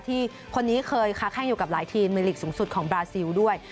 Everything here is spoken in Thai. ที่คนนี้เคยค้าแข้งอยู่กับหลายทีมในลีกสูงสุดของบราซิลด้วย